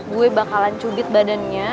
gua bakalan cubit badannya